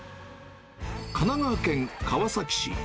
神奈川県川崎市。